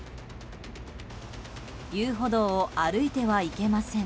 遊歩道を歩いてはいけません。